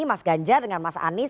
mas ganjar dengan mas anies